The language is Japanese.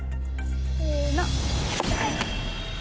せの！